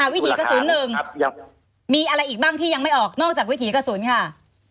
วิถีกระสุนหนึ่งมีอะไรอีกบ้างที่ยังไม่ออกนอกจากวิถีกระสุนค่ะ